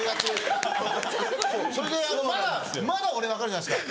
まだ俺分かるじゃないですか。